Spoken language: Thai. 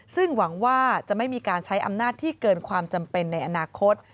ซึ่งหวังว่าจะไม่มีการใช้อำนาจที่เกินความจำเป็นในอนาคต